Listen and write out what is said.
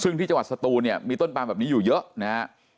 ซึ่งที่จังหวัดสตูนเนี่ยมีต้นปามแบบนี้อยู่เยอะนะฮะ